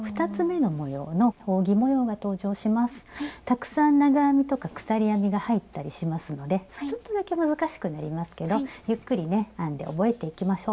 たくさん長編みとか鎖編みが入ったりしますのでちょっとだけ難しくなりますけどゆっくりね編んで覚えていきましょう。